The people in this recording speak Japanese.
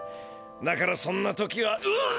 だからそんな時はうっ。